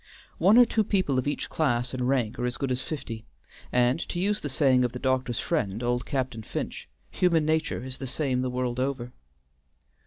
One or two people of each class and rank are as good as fifty, and, to use the saying of the doctor's friend, old Captain Finch: "Human nature is the same the world over."